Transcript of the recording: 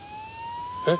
えっ？